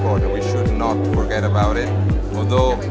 kita tidak harus lupa tentangnya